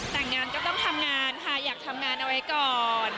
แต่งงานก็ต้องทำงานค่ะอยากทำงานเอาไว้ก่อน